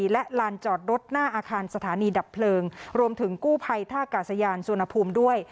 และลานจอดรถหน้าอาคารสถานีดับเพลิงรวมถึงกู้ภัยท่ากาศยานสุวรรณภูมิด้วย